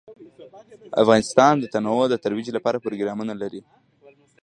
افغانستان د تنوع د ترویج لپاره پروګرامونه لري.